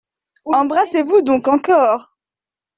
Embrassez-vous donc encore.